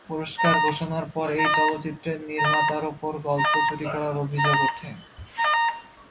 পুরস্কার ঘোষণার পর এই চলচ্চিত্রের নির্মাতার উপর গল্প চুরি করার অভিযোগ ওঠে।